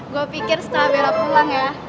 gue pikir setelah bella pulang ya